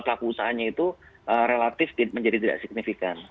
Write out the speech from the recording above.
pelaku usahanya itu relatif menjadi tidak signifikan